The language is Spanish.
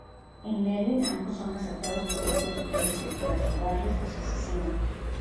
En Lerín ambos son asaltados por dos guerrilleros que, tras robarles, los asesinan.